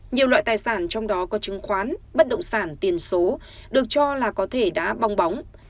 nhiều loại tài sản trong đó có chứng khoán bất động sản tiền số được cho là có thể đã bong bóng